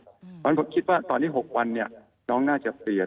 เพราะฉะนั้นผมคิดว่าตอนนี้๖วันน้องน่าจะเปลี่ยน